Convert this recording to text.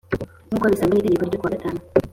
Nkuko bisabwa y itegeko ryo kuwa gatanu